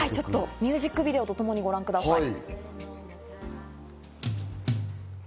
ミュージックビデオとともにご覧ください。